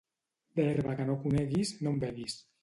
D'herba que no coneguis, no en beguis.